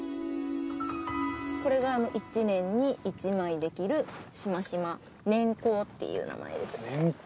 これが１年に１枚できるシマシマ年縞っていう名前です年縞？